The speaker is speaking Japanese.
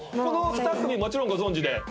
この２組もちろんご存じで。